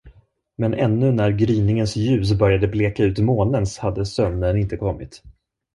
Men ännu när gryningens ljus började bleka ut månens hade sömnen inte kommit.